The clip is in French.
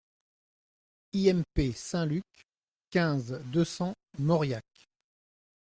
IMP SAINT LUC, quinze, deux cents Mauriac